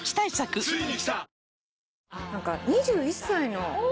２１歳の。